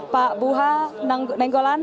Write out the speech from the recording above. pak buha nenggolan